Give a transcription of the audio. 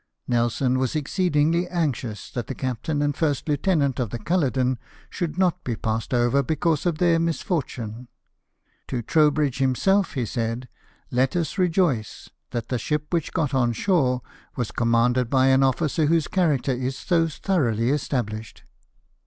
Nelson was exceedingly anxious that the captain and first lieutenant of the Culloden should not be passed over because of their misfortune. To Trowbridge himself he said, " Let us rejoice that the ship which got on shore was com manded by an officer whose character is so thoroughly established."